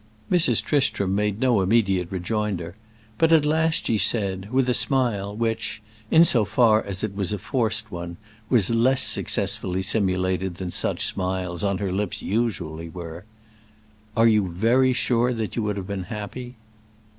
Mrs. Tristram made no immediate rejoinder, but at last she said, with a smile which, in so far as it was a forced one, was less successfully simulated than such smiles, on her lips, usually were; "Are you very sure that you would have been happy?"